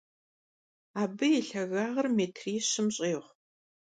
Abı yi lhagağır mêtrişım ş'êğu.